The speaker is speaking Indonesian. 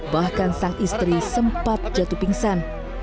bahkan sang istri sempat jatuh pingsan